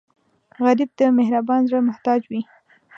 غریب د مهربان زړه محتاج وي